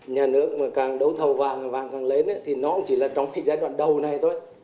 nhà nước mà càng đấu thầu vàng vàng càng lên thì nó chỉ là trong cái giai đoạn đầu này thôi